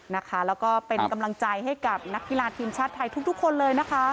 แล้วก็เป็นกำลังใจให้กับนักกีฬาทีมชาติไทยทุกคนเลยนะคะ